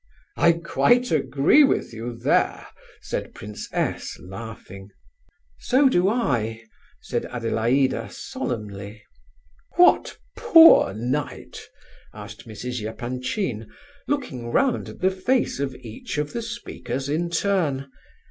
"I quite agree with you there!" said Prince S., laughing. "So do I," said Adelaida, solemnly. "What poor knight?" asked Mrs. Epanchin, looking round at the face of each of the speakers in turn.